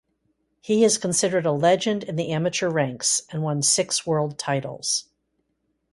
He is considered a legend in the amateur ranks and won six world titles.